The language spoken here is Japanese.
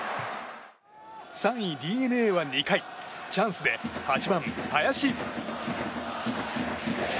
３位、ＤｅＮＡは２回チャンスで８番、林。